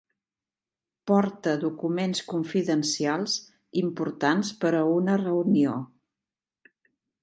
Porta documents confidencials importants per a una reunió.